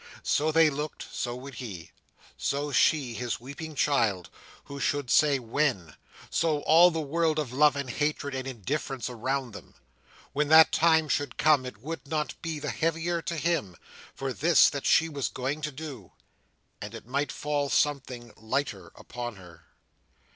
So they looked, so would he; so she, his weeping child, who should say when! so all the world of love and hatred and indifference around them! When that time should come, it would not be the heavier to him, for this that she was going to do; and it might fall something lighter upon her.